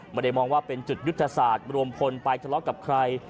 มองว่าเป็นจุดยุทธศาสตร์รวมพลไปทะเลาะกับใคร